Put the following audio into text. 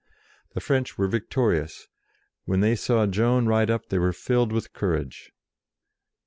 The French were victorious: when they saw Joan ride up they were filled with courage.